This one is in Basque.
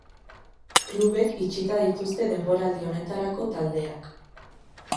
Klubek itxita dituzte denboraldi honetarako taldeak.